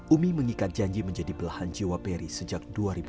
umi mengikat janji menjadi belahan jiwa peri sejak dua ribu